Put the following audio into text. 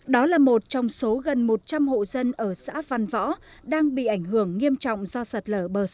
đó là một trong số gần một trăm linh hộ dân ở xã văn võ đang bị ảnh hưởng nghiêm trọng do sạt lở